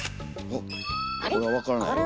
これは分からないよ。